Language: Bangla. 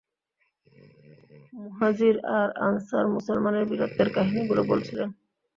মুহাজির আর আনসার মুসলমানের বীরত্বের কাহিনীগুলো বলছিলেন।